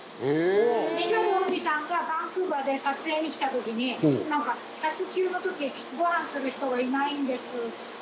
二階堂ふみさんがバンクーバーで撮影に来た時に「撮休の時ごはんする人がいないんです」っつって。